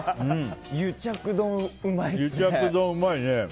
癒着丼、うまいっすね。